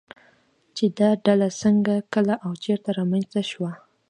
چې دا ډله څنگه، کله او چېرته رامنځته شوه